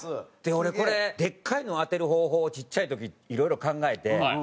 俺これでっかいのを当てる方法をちっちゃい時色々考えて。